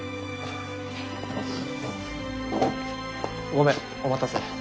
ごめんお待たせ。